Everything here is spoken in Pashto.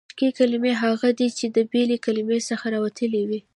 مشقي کلیمې هغه دي، چي د بلي کلیمې څخه راوتلي يي.